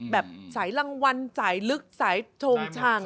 แบบสายรางวัลสายลึกสายโชงชัง